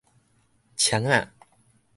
戕仔